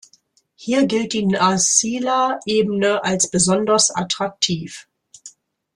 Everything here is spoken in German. Hier gilt die Nazhila-Ebene als besonders attraktiv.